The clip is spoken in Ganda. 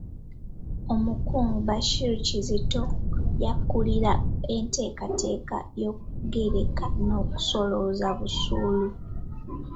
Omukungu Bashir Kizito y'akulira enteekateeka y'okugereka n'okusolooza busuulu.